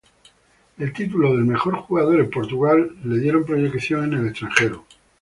El título del mejor jugador en Portugal le dieron proyección en el extranjero.